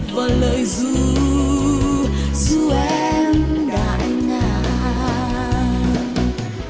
và lời ru ru em đại ngàn